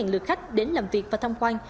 một mươi tám lượt khách đến làm việc và thăm quan